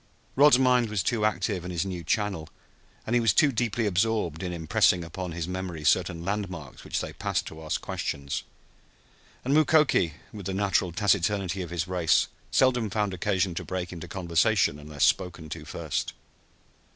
Rod's mind was too active in its new channel, and he was too deeply absorbed in impressing upon his memory certain landmarks which they passed to ask questions; and Mukoki, with the natural taciturnity of his race, seldom found occasion to break into conversation unless spoken to first.